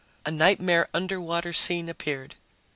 A nightmare underwater scene appeared.